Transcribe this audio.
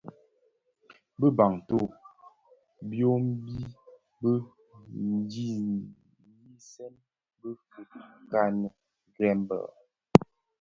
Bi Bantu (Bafia) byodhi bi nyisen bi fikani Greenberg,